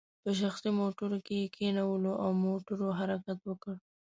په شخصي موټرو کې یې کینولو او موټرو حرکت وکړ.